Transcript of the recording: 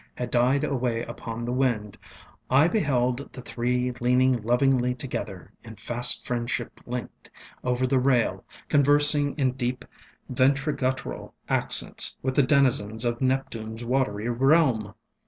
ŌĆØ had died away upon the wind, I beheld the three leaning lovingly together, in fast friendship linked, over the rail, conversing in deep ventriguttural accents with the denizens of NeptuneŌĆÖs watery realm.